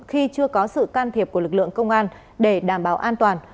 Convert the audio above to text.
khi chưa có sự can thiệp của lực lượng công an để đảm bảo an toàn